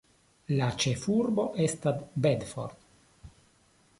La ĉefurbo estas Bedford.